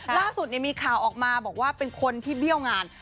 ล่าสุดมีข่าวออกมาบอกว่าเป็นคนที่เบี้ยวงาน